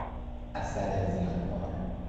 اثر زیانبار